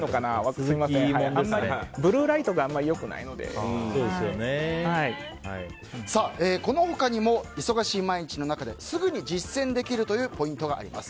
あんまりブルーライトがこの他にも忙しい毎日の中ですぐに実践できるというポイントがあります。